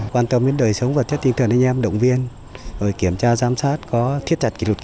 quan tâm đến đời sống và chất tinh thần anh em động viên rồi kiểm tra giám sát có thiết chặt kỷ lục kỳ cư